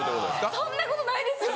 そんなことないですよ！